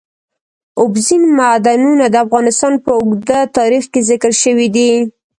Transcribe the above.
اوبزین معدنونه د افغانستان په اوږده تاریخ کې ذکر شوی دی.